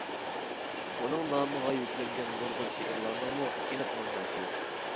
ئۇنىڭ نامىغا يۈكلەنگەن نۇرغۇن شېئىرلارنىڭمۇ ئېنىق مەنبەسى يوق.